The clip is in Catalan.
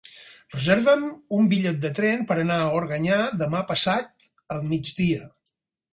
Reserva'm un bitllet de tren per anar a Organyà demà passat al migdia.